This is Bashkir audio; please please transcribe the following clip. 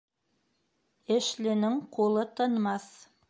Эшленең ҡулы тынмаҫ